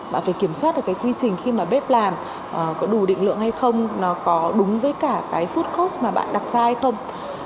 bạn phải kiểm soát được cái quy trình khi mà bếp làm có đủ định lượng hay không nó có đúng với cả cái food cost mà bạn đặt ra hay không